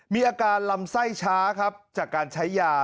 มีอาการลำไส้ช้าครับจากการใช้ยา